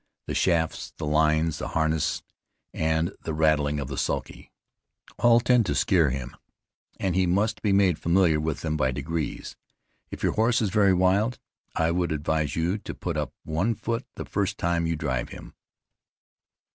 The shafts, the lines, the harness, and the rattling of the sulky, all tend to scare him, and he must be made familiar with them by degrees. If your horse is very wild, I would advise you to put up one foot the first time you drive him.